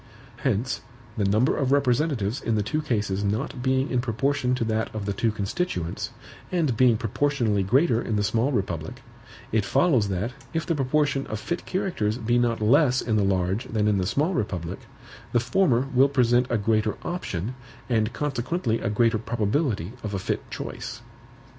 Hence, the number of representatives in the two cases not being in proportion to that of the two constituents, and being proportionally greater in the small republic, it follows that, if the proportion of fit characters be not less in the large than in the small republic, the former will present a greater option, and consequently a greater probability of a fit choice.